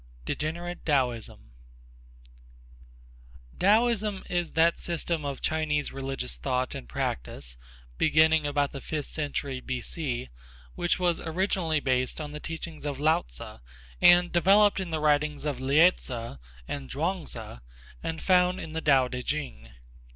Degenerate Taoism_ Taoism is that system of Chinese religious thought and practice, beginning about the fifth century B. C., which was originally based on the teachings of Lao Tzu and developed in the writings of Lieh Tzu and Chuang Tzu and found in the Tao Tê Ching.